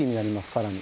さらに。